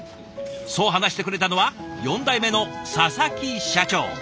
そう話してくれたのは４代目の佐々木社長。